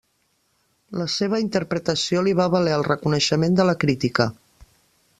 La seva interpretació li va valer el reconeixement de la crítica.